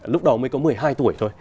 lúc đó mới có một mươi hai tuổi thôi